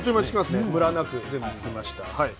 ムラなくつきました。